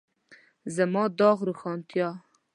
د زما داغ روښانتیا.